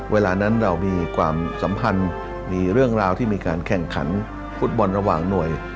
เวลานั้นเรามีความสัมพันธ์มีเรื่องราวที่มีการแข่งขันฟุตบอลระหว่างหน่วย